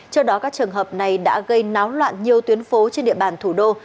trước đó các trường hợp này đã gây náo loạn nhiều tuyến phố trên địa bàn thủ đô